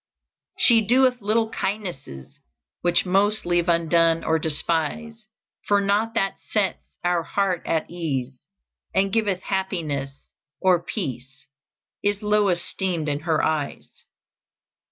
"She doeth little kindnesses Which most leave undone or despise; For naught that sets our heart at ease, And giveth happiness or peace, Is low esteemed in her eyes.